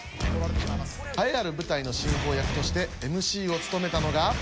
栄えある舞台の進行役としてＭＣを務めたのが。